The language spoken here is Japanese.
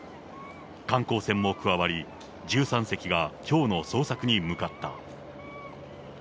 観光船も加わり、１３隻がきょうの捜索に向かった。